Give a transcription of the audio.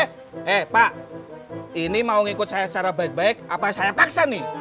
eh pak ini mau ngikut saya secara baik baik apa saya paksa nih